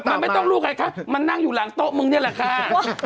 มันไม่ต้องรู้ไงคะมันนั่งอยู่หลังโต๊ะมึงนี่แหละค่ะ